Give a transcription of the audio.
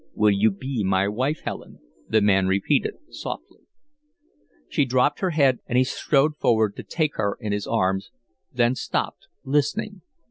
"Will you be my wife, Helen?" the man repeated, softly. She dropped her head, and he strode forward to take her in his arms, then stopped, listening.